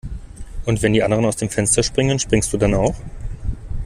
Und wenn die anderen aus dem Fenster springen, springst du dann auch?